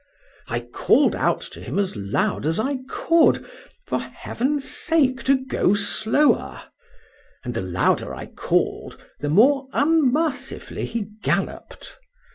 I called to him as loud as I could, for heaven's sake to go slower:—and the louder I called, the more unmercifully he galloped.